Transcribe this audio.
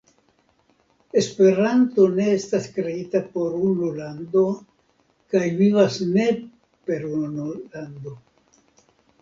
Esperanto ne estas kreita por unu lando kaj vivas ne per unu lando.